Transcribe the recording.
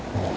ya udah mam